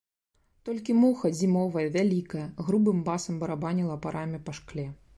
Толькі муха, зімовая, вялікая, грубым басам барабаніла па раме, па шкле.